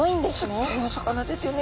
すっギョいお魚ですよね。